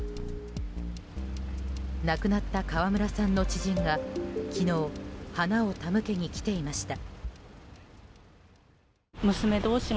亡くなった川村さんの知人が昨日、花を手向けに来ていました。